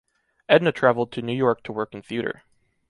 Edna traveled to New York to work in theater.